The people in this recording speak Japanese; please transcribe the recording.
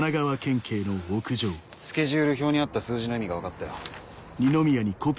スケジュール表にあった数字の意味が分かったよ。